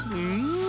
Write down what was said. うん。